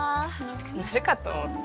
鳴るかと思った。